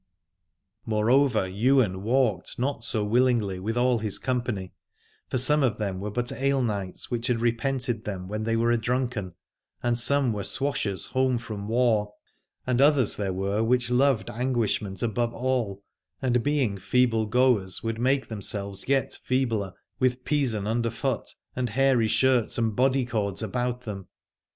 150 Alad ore Moreover Ywain walked not so willingly with all his company : for some of them were but ale knights which had repented them when they were adrunken, and some were swashers home from war, and others there were which loved anguishment above all, and being feeble goers would make themselves yet feebler, with peasen underfoot and hairy shirts and bodycords about them.